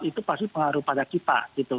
itu pasti pengaruh pada kita gitu